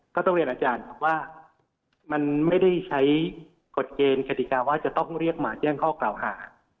ก็ต้องเรียนอาจารย์ครับว่ามันไม่ได้ใช้กฎเกณฑ์กฎิกาว่าจะต้องเรียกมาแจ้งข้อกล่าวหา